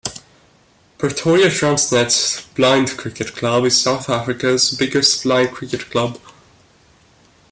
Pretoria Transnet Blind Cricket Club is South Africa's biggest blind cricket club.